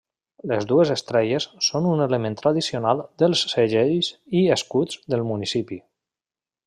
Les dues estrelles són un element tradicional dels segells i escuts del municipi.